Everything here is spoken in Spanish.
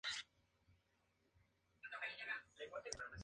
Son exclusivamente de acero y actualmente no cuentan con inversiones.